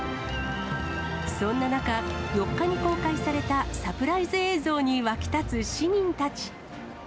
そんな中、４日に公開されたサプライズ映像に沸き立つ市民たち。